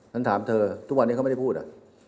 ฉันถามเธอทุกวันนี้เขาไม่ได้พูด